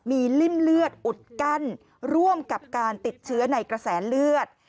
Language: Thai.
มีริ่มเลือดอุดกั้นร่วมกับการติดเชื้อในกระแสเลือด